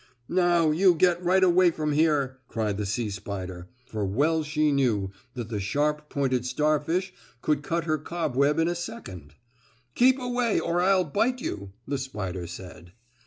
"Now, you get right away from here," cried the sea spider, for well she knew that the sharp pointed starfish could cut her cobweb in a second. "Keep away or I'll bite you!" the spider said.